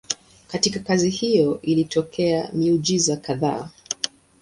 Katika kazi hiyo ilitokea miujiza kadhaa.